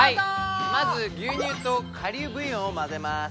まず牛乳と顆粒ブイヨンを混ぜます。